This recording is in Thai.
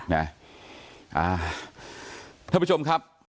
ท่านผู้ชมครับ